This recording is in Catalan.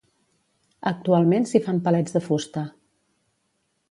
Actualment s’hi fan palets de fusta.